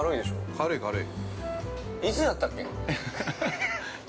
◆軽い軽い。